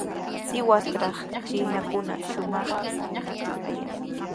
Sihuastraw chiinakunaqa shumaqmi kayan.